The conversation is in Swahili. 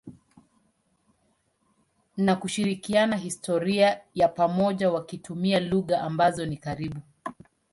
na kushirikiana historia ya pamoja wakitumia lugha ambazo ni karibu.